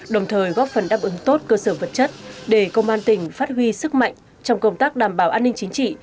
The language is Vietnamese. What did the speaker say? đồng thời góp phần đáp ứng tốt cơ sở vật chất để công an tỉnh phát huy sức mạnh trong công tác đảm bảo an ninh chính trị